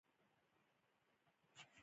باران د افغانستان د ولایاتو په کچه توپیر لري.